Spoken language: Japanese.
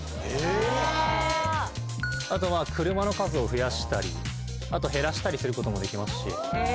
あと車の数を増やしたりあと減らしたりすることもできますし。